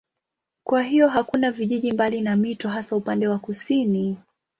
Kwa hiyo hakuna vijiji mbali na mito hasa upande wa kusini.